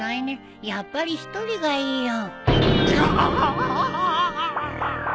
やっぱり１人がいいよ。ガーン！